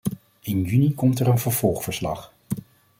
In juni komt er een vervolgverslag.